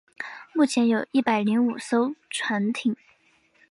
目前有一百零五艘船艇。